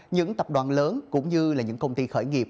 những tập đoàn lớn cũng như là những công ty khởi nghiệp